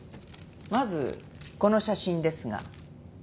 まずこの写真ですが。